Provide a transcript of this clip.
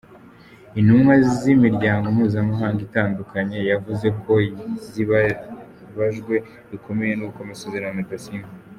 Intumwa z’imiryango mpuzamahanga itandukanye, zavuze ko zibabajwe bikomeye n’uko amasezerano adasinywe.